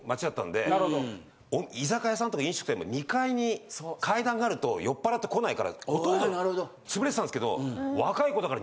居酒屋さんとか飲食店の２階に階段があると酔っぱらって来ないからほとんど潰れてたんですけど若い子だから。